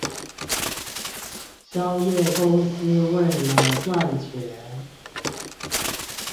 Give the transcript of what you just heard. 商業公司為了賺錢